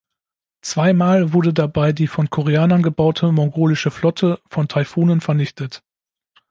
Zweimal wurde dabei die von Koreanern gebaute mongolische Flotte von Taifunen vernichtet.